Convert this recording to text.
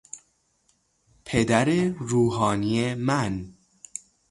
پدر روحانی من